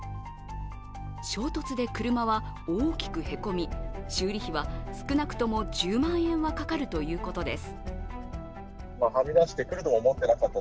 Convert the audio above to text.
衝突で車は大きくへこみ、修理費は少なくとも１０万円はかかるということです。